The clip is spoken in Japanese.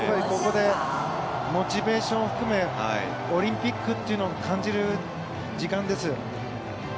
ここでモチベーションを含めオリンピックというのを感じる時間です。